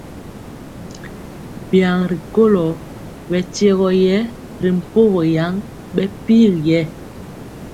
Biaŋ rikolo bɛ tyigɔ yɛɛ ri mpogɔ yaŋ bɛ pir yɛ.